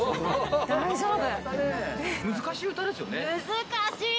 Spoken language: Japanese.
大丈夫。